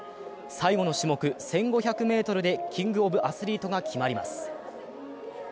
最後の種目、１５００ｍでキングオブアスリートが決まります。